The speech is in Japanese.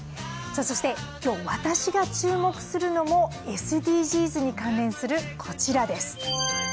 そして今日、私が注目するのもＳＤＧｓに関連するこちらです。